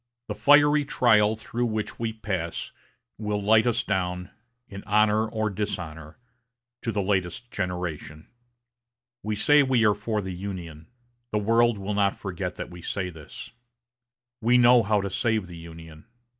The fiery trial through which we pass will light us down, in honor or dishonor, to the latest generation. We say we are for the Union. The world will not forget that we say this. We know how to save the Union.